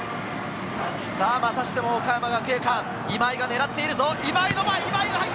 またしても岡山学芸館・今井が狙っている。